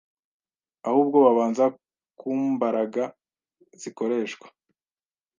Ahubwo babanza kumbaraga zikoreshwa.